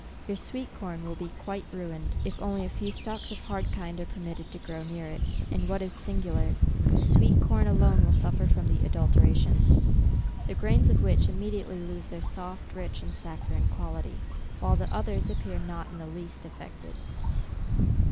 Your sweet corn will be quite ruined, if only a few stalks of the hard kind are permitted to grow near it, and what is singular, the sweet corn alone will suffer from the adulteration, the grains of which immediately lose their soft, rich and saccharine quality, while the other appears not in the least affected.